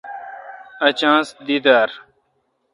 اؘ چانس دی درا۔